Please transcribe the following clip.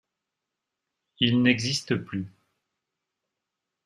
Il n’existe plus